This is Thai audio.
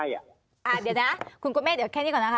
เดี๋ยวนะคุณกุเมฆเดี๋ยวแค่นี้ก่อนนะคะ